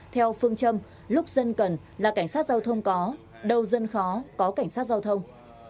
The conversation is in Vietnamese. theo phương châm lúc dân cần là cảnh sát giao thông có đâu dân khó có cảnh sát giao thông